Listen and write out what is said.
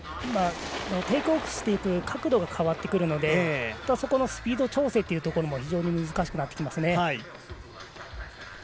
テイクオフしていく角度が変わってくるのでそこのスピード調整も非常に難しくなってきますね。